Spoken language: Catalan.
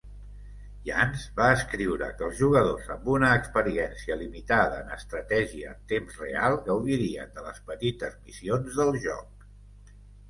Yans va escriure que els jugadors amb una experiència limitada en estratègia en temps real gaudirien de les petites missions del joc.